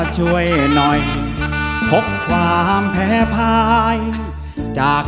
ช่วยหน่อยพกความแพพาย